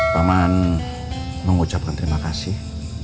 paman mengucapkan terima kasih